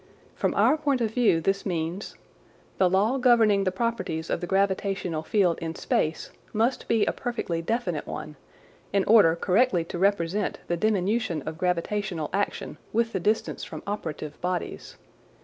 From our point of view this means : The law governing the properties of the gravitational field in space must be a perfectly definite one, in order correctly to represent the diminution of gravitational action with the distance from operative bodies.